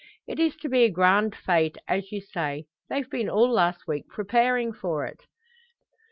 It is to be a grand fete as you say. They've been all last week preparing for it."